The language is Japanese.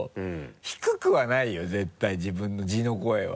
低くはないよ絶対に自分の地の声は。